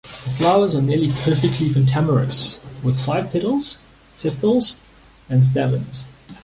The flowers are nearly perfectly pentamerous, with five petals, sepals, and stamens.